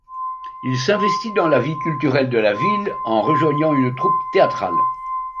Il s'investit dans la vie culturelle de la ville en rejoignant une troupe théâtrale.